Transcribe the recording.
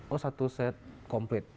oh satu set komplit